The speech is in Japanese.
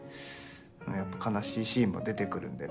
やっぱ悲しいシーンも出てくるんで。